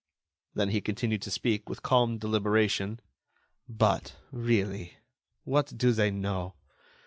Then he continued to speak, with calm deliberation: "But, really, what do they know?